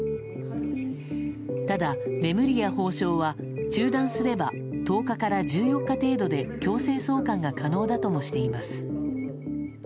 ただ、レムリヤ法相は中断すれば１０日から１４日程度で強制送還が可能だともしています。